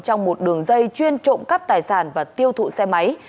trong một đường dây chuyên trộm cắp tài sản và tiêu thụ xe máy